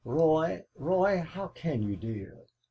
"Roy, Roy, how can you, dear?"